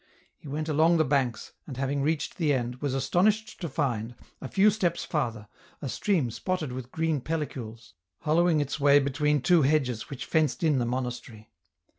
He went alon:j the banks, and having reached the end, was astonished to find, a few steps farther, a stream spotted with green pellicules, hollowing its way between two hedges which fenced in the monastery.